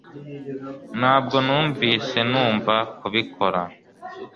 ntabwo numvise numva kubikora